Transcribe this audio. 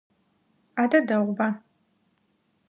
Адэ дэгъуба.